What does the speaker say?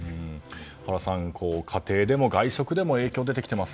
原さん、家庭でも外食でも影響が出てきています。